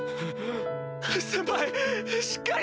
先輩しっかり！